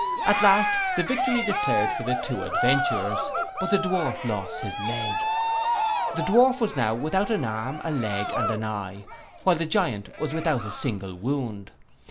At last the victory declared for the two adventurers; but the Dwarf lost his leg. The Dwarf was now without an arm, a leg, and an eye, while the Giant was without a single wound.